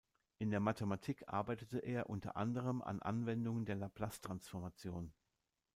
In der Mathematik arbeitete er unter anderem an Anwendungen der Laplace-Transformation.